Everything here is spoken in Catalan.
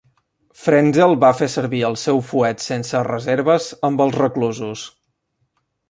Frenzel va fer servir el seu fuet sense reserves amb els reclusos.